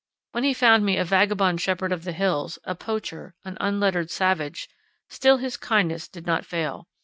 When he found me a vagabond shepherd of the hills, a poacher, an unlettered savage, still his kindness did not fail.